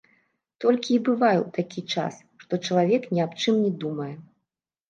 Толькі і бывае ў такі час, што чалавек ні аб чым не думае.